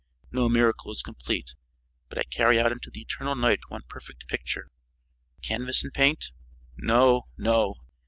No miracle is complete; but I carry out into the eternal night one perfect picture. Canvas and paint? No, no!